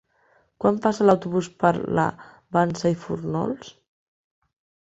Quan passa l'autobús per la Vansa i Fórnols?